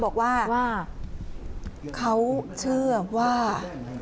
บอกว่าเขาเชื่อว่า